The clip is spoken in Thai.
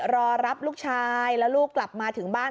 รอรับลูกชายแล้วลูกกลับมาถึงบ้าน